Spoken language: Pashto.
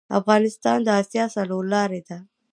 افغانستان د اسیا څلور لارې ده